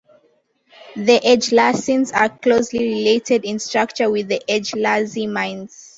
The agelasines are closely related in structure with the agelasimines.